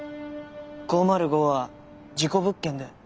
５０５は事故物件で。